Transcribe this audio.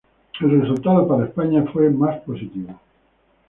El resultado para España fue más positivo.